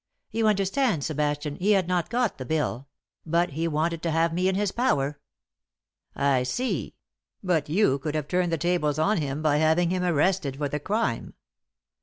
You understand, Sebastian, he had not got the bill; but he wanted to have me in his power." "I see; but you could have turned the tables on him by having him arrested for the crime."